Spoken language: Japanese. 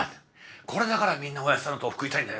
これだからみんなおやっさんの豆腐食いたいんだよ。